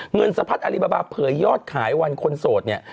เงินสะพัดอลิบาบาเผยยอดขายวันคนโสดเนี่ย